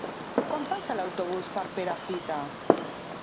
Quan passa l'autobús per Perafita?